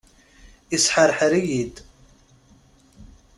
Isḥerḥer-iyi-d.